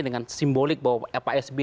dengan simbolik bahwa sby